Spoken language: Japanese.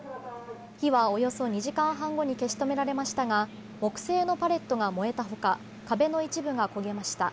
火はおよそ２時間半後に消し止められましたが木製のパレットが燃えたほか壁の一部が焦げました。